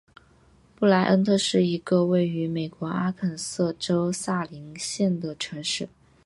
布赖恩特是一个位于美国阿肯色州萨林县的城市。